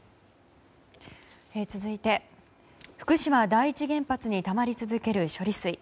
続いて、福島第一原発にたまり続ける処理水。